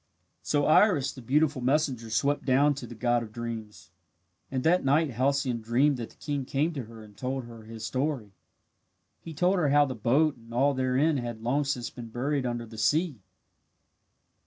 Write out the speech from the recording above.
So Iris, the beautiful messenger, swept down to the god of dreams and that night Halcyone dreamed that the king came to her and told her his story. He told her how the boat and all therein had long since been buried under the sea.